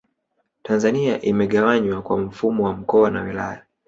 Tanzania imegawanywa kwa mfumo wa mkoa na wilaya